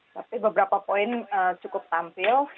tapi beberapa poin cukup tampil